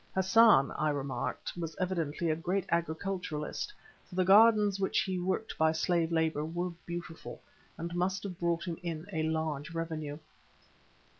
Hassan, I remarked, was evidently a great agriculturist, for the gardens which he worked by slave labour were beautiful, and must have brought him in a large revenue.